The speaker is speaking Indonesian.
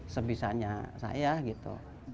sebisanya saya gitu